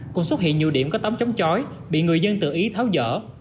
cũng xuất hiện nhiều điểm có tấm chống chói bị người dân tự ý tháo gỡ